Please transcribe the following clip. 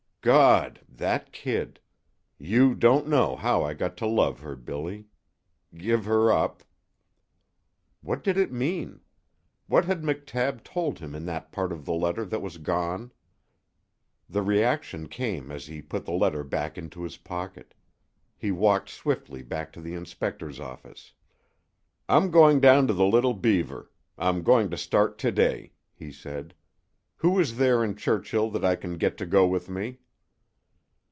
"God... that kid... You, don't know how I got to love her, Billy,... give her up..." What did it mean? What had McTabb told him in that part of the letter that was gone? The reaction came as he put the letter back into his pocket. He walked swiftly back to the inspector's office. "I'm going down to the Little Beaver. I'm going to start to day," he said. "Who is there in Churchill that I can get to go with me?"